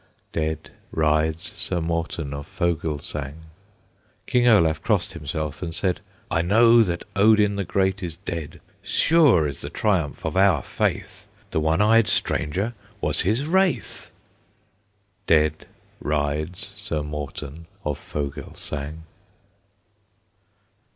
Dead rides Sir Morten of Fogelsang. King Olaf crossed himself and said: "I know that Odin the Great is dead; Sure is the triumph of our Faith, The one eyed stranger was his wraith." Dead rides Sir Morten of Fogelsang.